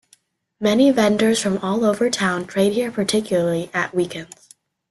Many vendors from all over town trade here particularly at weekends.